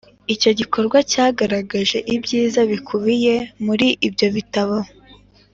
icyo gikorwa cyagaragaje ibyiza bikubiye muri ibyo bitabo